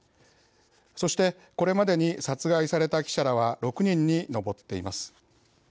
そしてこれまでに殺害された記者らは６人に上っています。